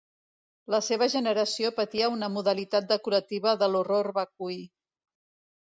La seva generació patia una modalitat decorativa de l'horror vacui.